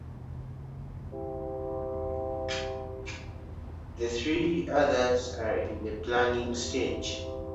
The three others are in the planning stage.